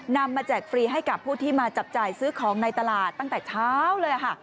มาแจกฟรีให้กับผู้ที่มาจับจ่ายซื้อของในตลาดตั้งแต่เช้าเลยค่ะ